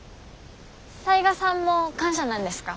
雑賀さんも官舎なんですか？